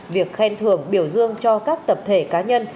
việc khen thưởng biểu dương cho các tập thể cá nhân